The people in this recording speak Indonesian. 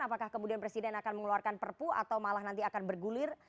apakah kemudian presiden akan mengeluarkan perpu atau malah nanti akan bergulir